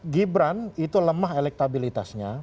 gibran itu lemah elektabilitasnya